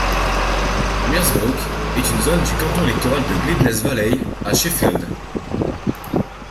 Meersbrook est une zone du canton électoral de Gleadless Valley à Sheffield.